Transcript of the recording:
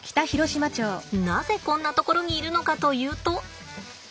なぜこんなところにいるのかというと。